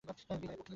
বিদায়, পোকি!